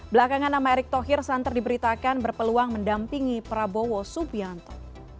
belakangan nama erick thohir santer diberitakan berpeluang mendampingi prabowo subianto